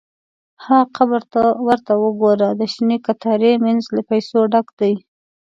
– ها قبر! ته ورته وګوره، د شنې کتارې مینځ له پیسو ډک دی.